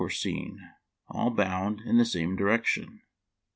161 were seen, all bound in the same direction.